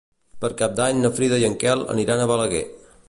Per Cap d'Any na Frida i en Quel aniran a Balaguer.